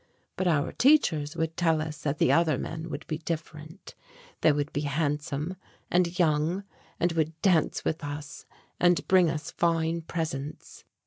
But our teachers would tell us that the other men would be different. They would be handsome and young and would dance with us and bring us fine presents.